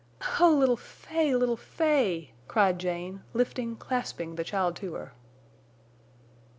"Oh, little Fay, little Fay!" cried Jane, lifting, clasping the child to her.